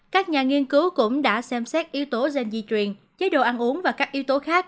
các nhà nghiên cứu cũng đã xem xét yếu tố gen di truyền chế độ ăn uống và các yếu tố khác